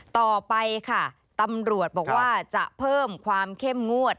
ต่อไปค่ะตำรวจบอกว่าจะเพิ่มความเข้มงวด